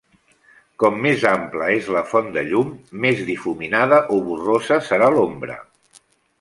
Com més ampla és la font de llum, més difuminada o borrosa serà l'ombra.